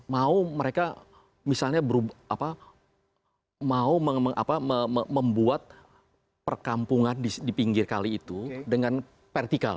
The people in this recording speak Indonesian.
mau mereka misalnya mau membuat perkampungan di pinggir kali itu dengan vertikal